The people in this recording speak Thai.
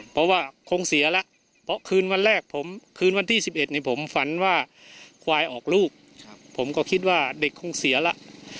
เพราะว่าคงเสียแล้วเพราะคืนวันแรกผมคืนวันที่๑๑ผมฝันว่าควายออกลูกผมก็คิดว่าเด็กคงเสียแล้ว